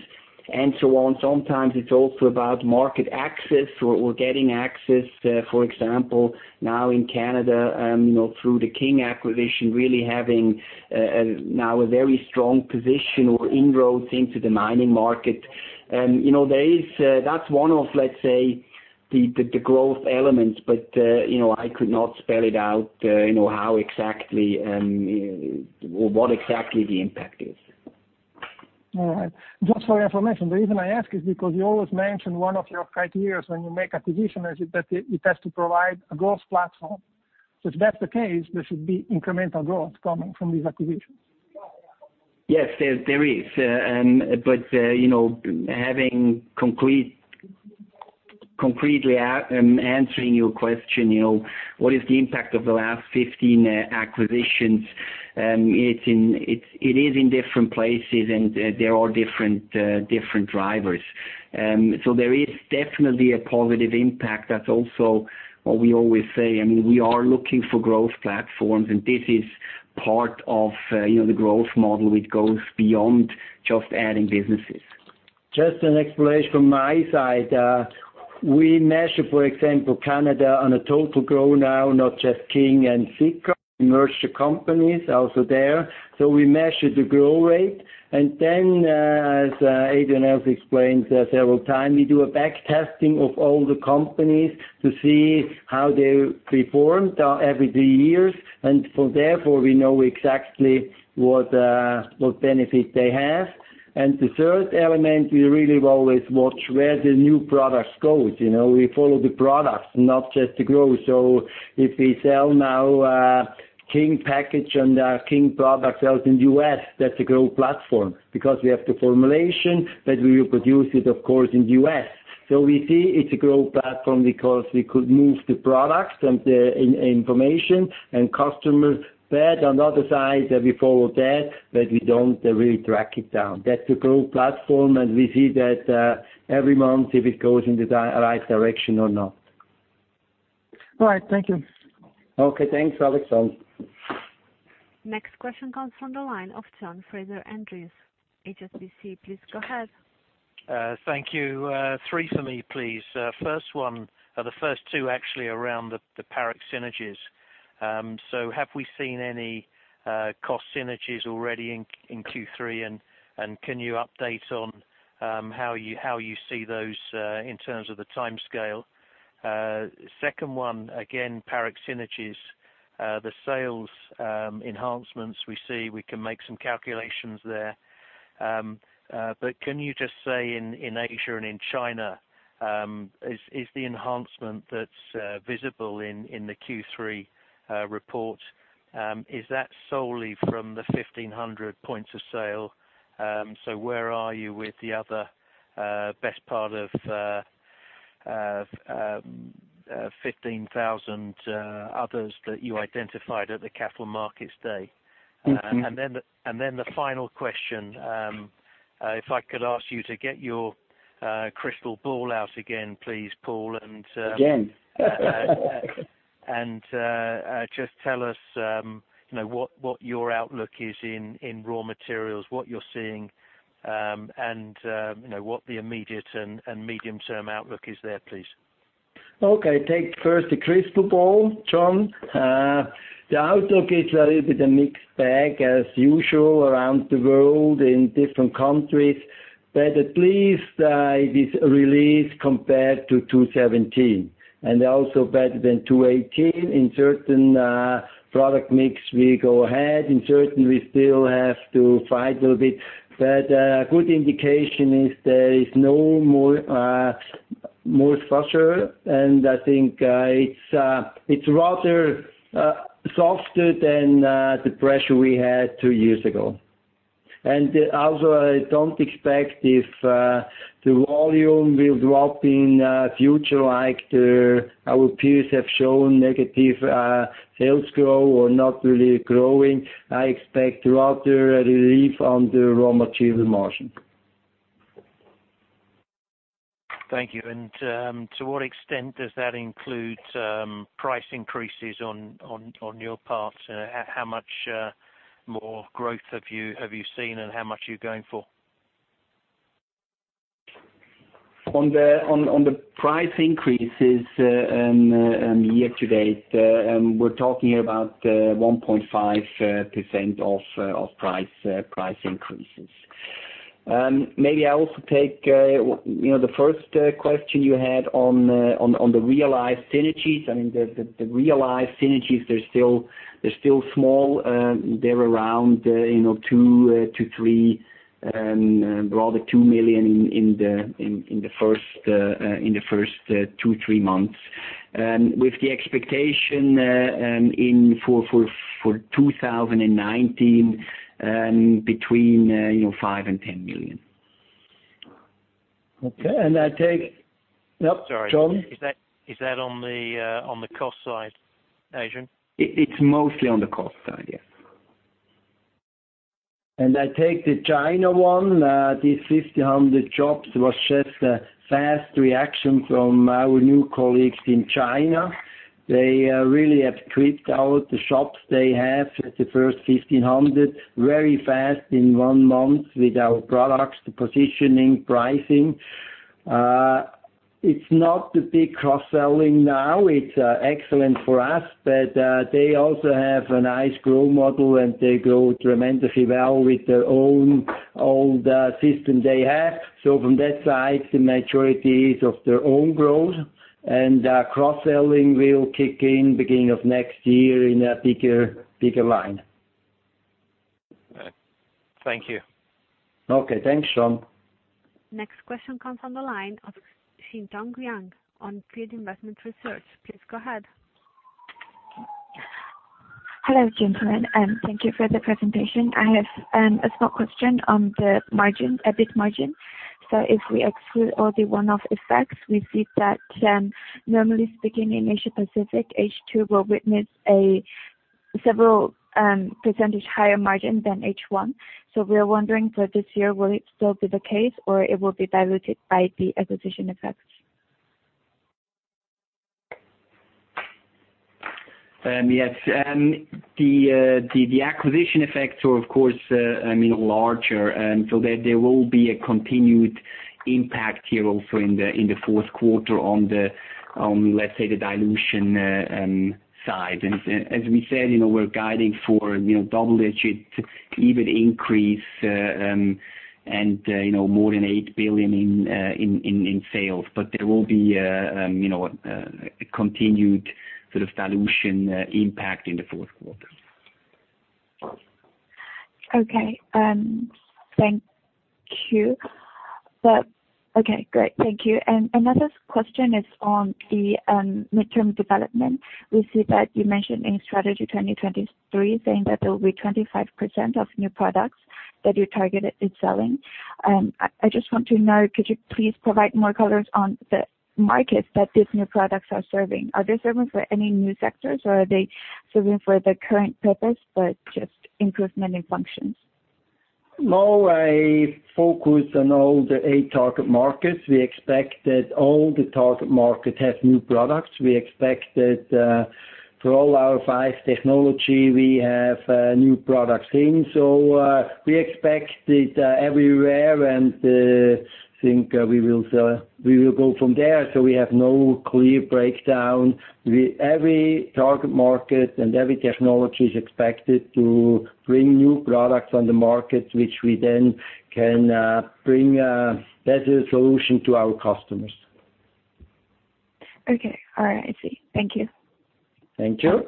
and so on, sometimes it's also about market access or getting access. For example, now in Canada, through the King acquisition, really having now a very strong position or inroads into the mining market. That's one of, let's say, the growth elements, but I could not spell it out what exactly the impact is. All right. Just for your information, the reason I ask is because you always mention one of your criteria when you make acquisition is that it has to provide a growth platform. If that's the case, there should be incremental growth coming from these acquisitions. Yes, there is. Having concretely answering your question, what is the impact of the last 15 acquisitions? It is in different places and there are different drivers. There is definitely a positive impact. That's also what we always say. We are looking for growth platforms, and this is part of the growth model which goes beyond just adding businesses. Just an explanation from my side. We measure, for example, Canada on a total grow now, not just King and Sika, merged the companies also there. We measure the grow rate, and then as Adrian has explained several times, we do a back testing of all the companies to see how they performed every three years. Therefore, we know exactly what benefit they have. The third element, we really always watch where the new products go. We follow the products, not just the growth. If we sell now King package and King product sells in U.S., that's a growth platform because we have the formulation, but we will produce it, of course, in U.S. We see it's a growth platform because we could move the products and the information and customers there on the other side, we follow that, but we don't really track it down. That's the growth platform, and we see that every month if it goes in the right direction or not. All right. Thank you. Okay. Thanks, Alessandro. Next question comes from the line of John Fraser-Andrews, HSBC. Please go ahead. Thank you. Three for me, please. First one, the first two actually around the Paroc synergies. Have we seen any cost synergies already in Q3, and can you update on how you see those in terms of the timescale? Second one, again, Paroc synergies, the sales enhancements we see, we can make some calculations there. Can you just say in Asia and in China, is the enhancement that's visible in the Q3 report, is that solely from the 1,500 points of sale? Where are you with the other best part of 15,000 others that you identified at the Capital Markets Day? The final question, if I could ask you to get your crystal ball out again, please, Paul. Again. Just tell us what your outlook is in raw materials, what you're seeing, and what the immediate and medium term outlook is there, please. Okay. Take first the crystal ball, John. The outlook is a little bit a mixed bag as usual around the world in different countries. At least it is a release compared to 2017, and also better than 2018. In certain product mix, we go ahead. In certain, we still have to fight a little bit. A good indication is there is no more pressure, and I think it's rather softer than the pressure we had two years ago. Also, I don't expect if the volume will drop in future like our peers have shown negative sales growth or not really growing. I expect rather a relief on the raw material margin. Thank you. To what extent does that include price increases on your part? How much more growth have you seen and how much are you going for? On the price increases in year to date, we're talking about 1.5% of price increases. I also take the first question you had on the realized synergies. I mean, the realized synergies, they're still small. They're around 2 million-3 million, rather 2 million in the first two, three months. With the expectation for 2019 between 5 million and 10 million. Okay. Nope, John. Sorry. Is that on the cost side, Adrian? It's mostly on the cost side, yes. I take the China one, the 1,500 jobs was just a fast reaction from our new colleagues in China. They really have equipped out the shops they have at the first 1,500 very fast in one month with our products, the positioning, pricing. It's not the big cross-selling now. It's excellent for us, but they also have a nice growth model, and they grow tremendously well with their own system they have. From that side, the majority is of their own growth, and cross-selling will kick in beginning of next year in a bigger line. All right. Thank you. Okay. Thanks, John. Next question comes from the line of [Xintong Liang] On Field Investment Research. Please go ahead. Hello, gentlemen. Thank you for the presentation. I have a small question on the margin, EBIT margin. If we exclude all the one-off effects, we see that normally speaking in Asia Pacific, H2 will witness a several percentage higher margin than H1. We're wondering for this year, will it still be the case or it will be diluted by the acquisition effects? Yes. The acquisition effects were of course larger, so there will be a continued impact here also in the fourth quarter on, let's say, the dilution side. As we said, we're guiding for double-digit, even increase, and more than 8 billion in sales. There will be a continued sort of dilution impact in the fourth quarter. Okay. Thank you. Okay, great. Thank you. Another question is on the midterm development. We see that you mentioned in Strategy 2023, saying that there will be 25% of new products that you targeted in selling. I just want to know, could you please provide more colors on the market that these new products are serving? Are they serving for any new sectors, or are they serving for the current purpose, but just improvement in functions? I focus on all the eight target markets. We expect that all the target markets have new products. We expect that for all our five technology, we have new products in. We expect it everywhere, and think we will go from there. We have no clear breakdown. Every target market and every technology is expected to bring new products on the market, which we then can bring as a solution to our customers. Okay. All right. I see. Thank you. Thank you.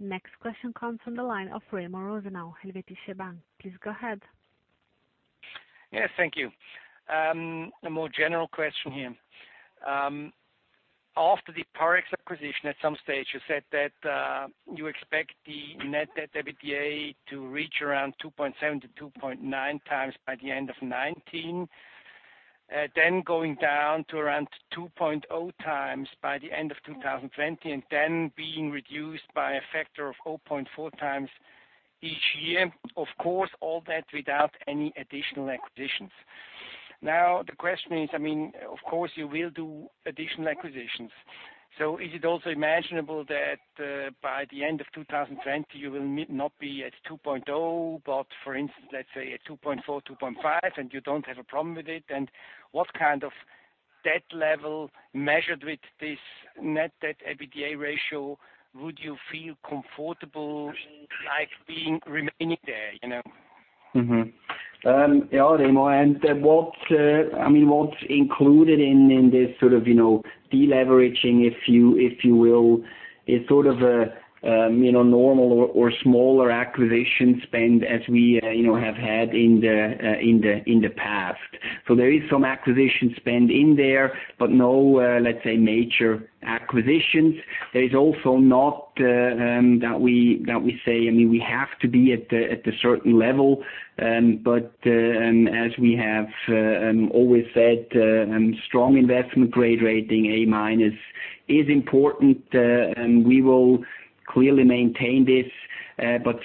Next question comes from the line of Remo Rosenau, Helvetische Bank. Please go ahead. Yes, thank you. A more general question here. After the Parex acquisition, at some stage, you said that you expect the net debt/EBITDA to reach around 2.7-2.9 times by the end of 2019, then going down to around 2.0 times by the end of 2020, and then being reduced by a factor of 0.4 times each year. Of course, all that without any additional acquisitions. The question is, of course you will do additional acquisitions. Is it also imaginable that by the end of 2020, you will not be at 2.0, but for instance, let's say at 2.4, 2.5, and you don't have a problem with it? What kind of debt level measured with this net debt/EBITDA ratio would you feel comfortable remaining there? Yeah, Remo. What's included in this sort of de-leveraging, if you will, is sort of a normal or smaller acquisition spend as we have had in the past. There is some acquisition spend in there, but no, let's say, major acquisitions. There is also not that we say we have to be at a certain level. As we have always said, strong investment grade rating, A minus, is important, and we will clearly maintain this.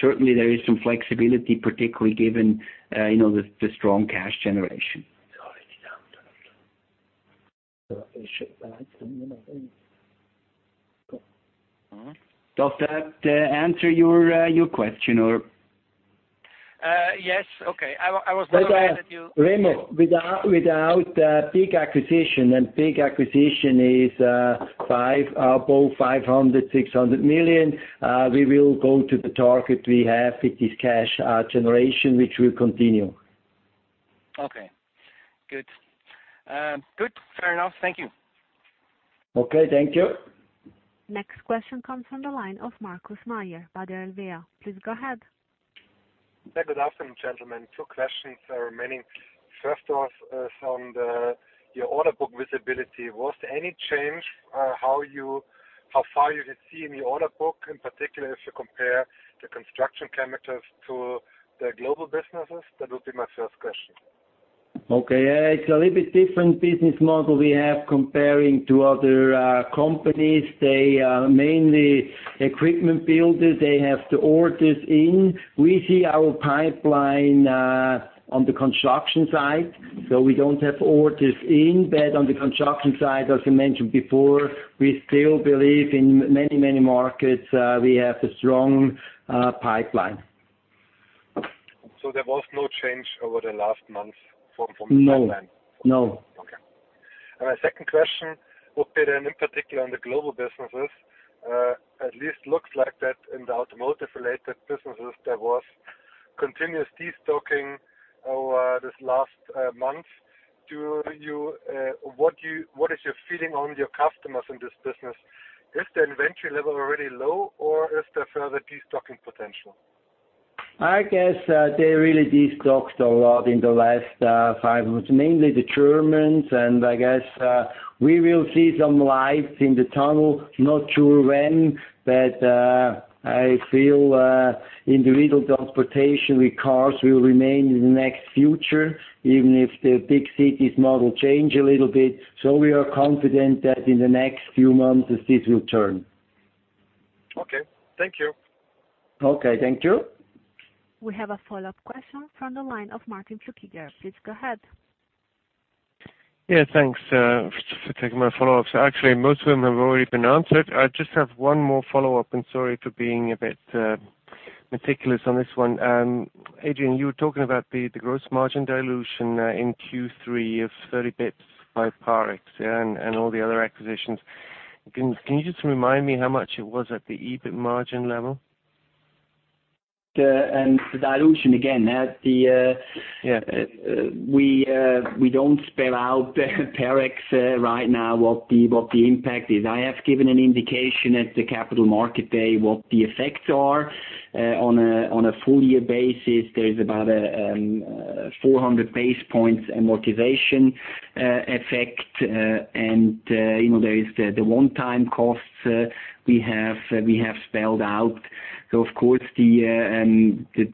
Certainly, there is some flexibility, particularly given the strong cash generation. Does that answer your question, or? Yes. Okay. Remo, without big acquisition, big acquisition is above 500 million, 600 million, we will go to the target we have with this cash generation, which will continue. Okay, good. Good. Fair enough. Thank you. Okay, thank you. Next question comes from the line of Markus Mayer, Baader Helvea. Please go ahead. Good afternoon, gentlemen. Two questions remaining. First off, on your order book visibility, was there any change how far you could see in the order book, in particular, if you compare the construction chemicals to the Global Businesses? That would be my first question. Okay. Yeah, it's a little bit different business model we have comparing to other companies. They are mainly equipment builders. They have to order in. We see our pipeline on the construction side. We don't have orders in, but on the construction side, as I mentioned before, we still believe in many, many markets, we have a strong pipeline. There was no change over the last month from the pipeline? No. Okay. My second question would be then in particular on the Global Businesses, at least looks like that in the automotive-related businesses, there was continuous destocking over this last month. What is your feeling on your customers in this business? Is the inventory level already low, or is there further destocking potential? I guess they really destocked a lot in the last five months, mainly the Germans. I guess we will see some light in the tunnel. Not sure when. I feel individual transportation with cars will remain in the next future, even if the big cities model change a little bit. We are confident that in the next few months, this will turn. Okay. Thank you. Okay. Thank you. We have a follow-up question from the line of Martin Flückiger. Please go ahead. Yeah, thanks for taking my follow-up. Actually, most of them have already been answered. I just have one more follow-up, and sorry for being a bit meticulous on this one. Adrian, you were talking about the gross margin dilution in Q3 of 30 basis points by Parex and all the other acquisitions. Can you just remind me how much it was at the EBIT margin level? The dilution, again, we don't spell out Parex right now what the impact is. I have given an indication at the Capital Markets Day what the effects are. On a full-year basis, there is about a 400 basis points amortization effect. There is the one-time costs we have spelled out. Of course, the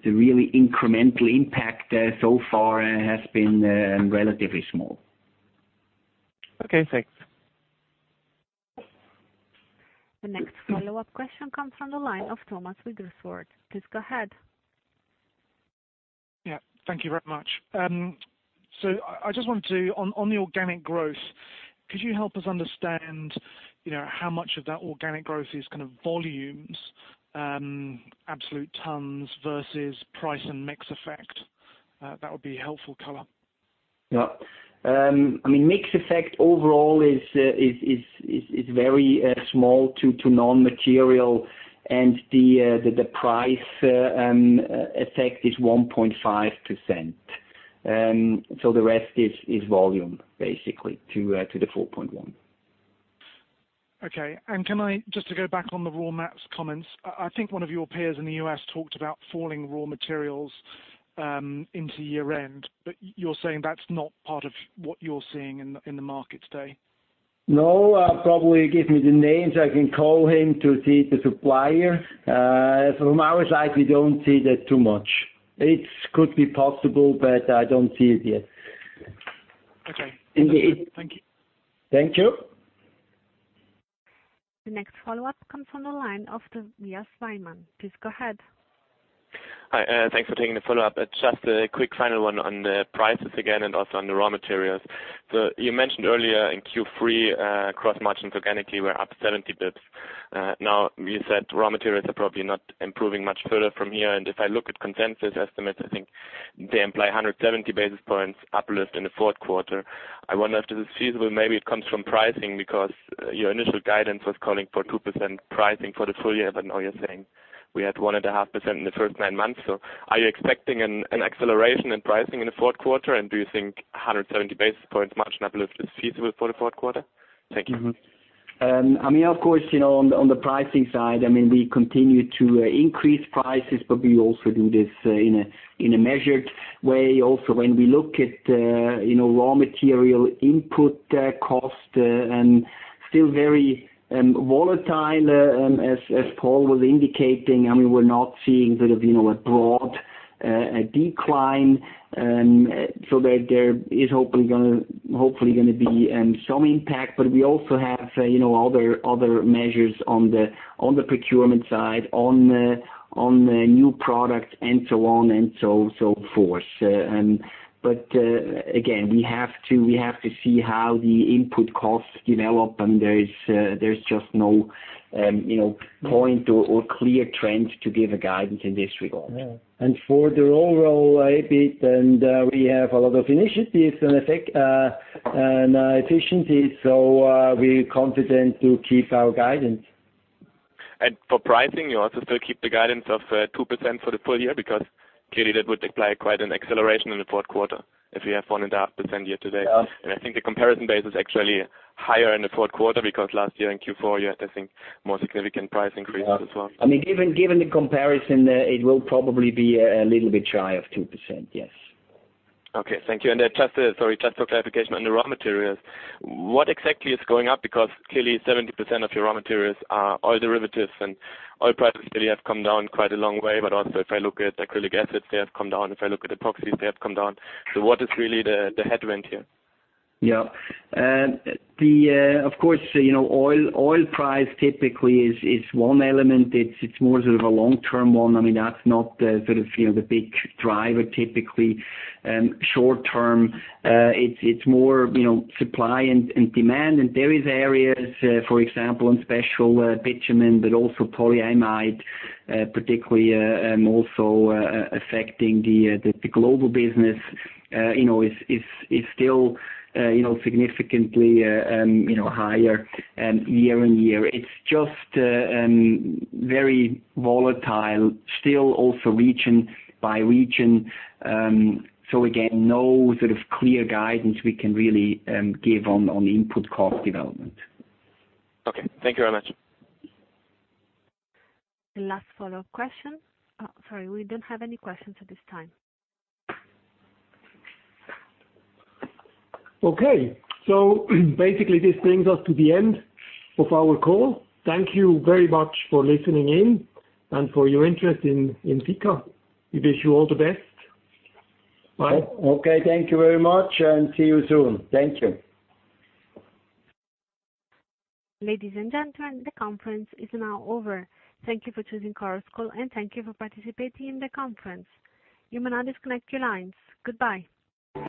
really incremental impact so far has been relatively small. Okay, thanks. The next follow-up question comes from the line of Thomas Wigglesworth. Please go ahead. Yeah, thank you very much. I just wanted to, on the organic growth, could you help us understand, how much of that organic growth is kind of volumes, absolute tons versus price and mix effect? That would be a helpful color. Yeah. Mix effect overall is very small to non-material, and the price effect is 1.5%. The rest is volume, basically, to the 4.1%. Okay. Can I, just to go back on the raw mats comments, I think one of your peers in the U.S. talked about falling raw materials into year-end, but you're saying that's not part of what you're seeing in the market today? No, probably give me the names, I can call him to see the supplier. From our side, we don't see that too much. It could be possible, but I don't see it yet. Okay. Indeed. Thank you. Thank you. The next follow-up comes from the line of Tobias Simon. Please go ahead. Hi. Thanks for taking the follow-up. Just a quick final one on the prices again and also on the raw materials. You mentioned earlier in Q3, gross margins organically were up 70 basis points. You said raw materials are probably not improving much further from here, and if I look at consensus estimates, I think they imply 170 basis points uplift in the fourth quarter. I wonder if this is feasible. Maybe it comes from pricing because your initial guidance was calling for 2% pricing for the full year, but now you're saying we had 1.5% in the first nine months. Are you expecting an acceleration in pricing in the fourth quarter? Do you think 170 basis points margin uplift is feasible for the fourth quarter? Thank you. On the pricing side, we continue to increase prices. We also do this in a measured way. When we look at raw material input cost and still very volatile, as Paul was indicating, we're not seeing sort of a broad decline. There is hopefully going to be some impact. We also have other measures on the procurement side, on the new products and so on and so forth. Again, we have to see how the input costs develop. There's just no point or clear trends to give a guidance in this regard. For the raw mats, we have a lot of initiatives in effect and efficiency, we’re confident to keep our guidance. For pricing, you also still keep the guidance of 2% for the full year, because clearly that would imply quite an acceleration in the fourth quarter if we have 1.5% year to date. Yeah. I think the comparison base is actually higher in the fourth quarter because last year in Q4, you had, I think, more significant price increases as well. Given the comparison, it will probably be a little bit shy of 2%, yes. Okay, thank you. Just for clarification on the raw materials, what exactly is going up? Clearly 70% of your raw materials are oil derivatives, and oil prices clearly have come down quite a long way. Also, if I look at acrylic acid, they have come down. If I look at epoxies, they have come down. What is really the headwind here? Yeah. Of course, oil price typically is one element. It's more sort of a long-term one. That's not the sort of the big driver typically short-term. It's more supply and demand, and there is areas, for example, on special bitumen, but also polyamide, particularly also affecting the Global Business is still significantly higher year-on-year. It's just very volatile still also region by region. Again, no sort of clear guidance we can really give on input cost development. Okay. Thank you very much. The last follow-up question. Sorry, we don't have any questions at this time. Okay. Basically, this brings us to the end of our call. Thank you very much for listening in and for your interest in Sika. We wish you all the best. Bye. Okay, thank you very much and see you soon. Thank you. Ladies and gentlemen, the conference is now over. Thank you for choosing Chorus Call, and thank you for participating in the conference. You may now disconnect your lines. Goodbye.